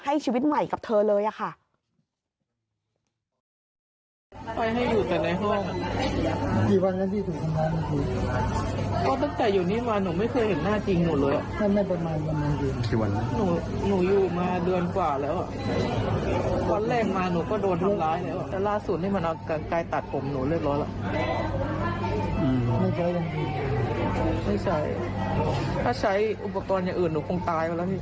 ไม่ใช่อุปกรณ์ในอย่างอื่นหนูคงตายกันแล้วอ่ะ